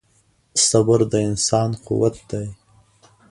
• صبر د انسان قوت دی.